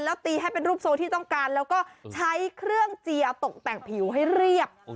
แล้วตีให้เป็นรูปโซที่ต้องการแล้วก็ใช้เครื่องเจียตกแต่งผิวให้เรียบ